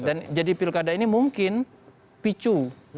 dan jadi pilkada ini mungkin picu